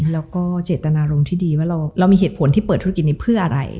แล้วก็เจตนารมณ์ที่ดีว่าเรามีเหตุผลที่เปิดธุรกิจนี้เพื่ออะไร